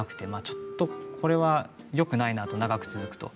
ちょっとこれはよくないなと長く続くと。